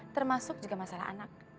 termasuk juga masalah anak